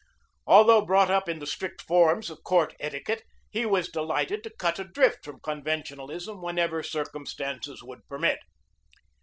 Although brought up in the strict forms of court etiquette, he was delighted to cut adrift from conventionalism whenever circumstances would permit.